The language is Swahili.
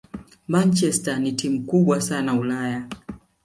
Manchester ni timu kubwa sana Ulaya